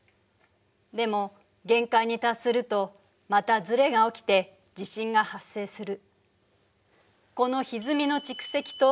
でも限界に達するとまたずれが起きて地震が発生する。